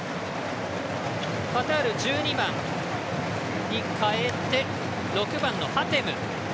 カタール、１２番に代えて６番のハテム。